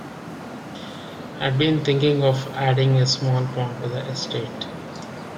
I'd been thinking of adding a small pond to the estate.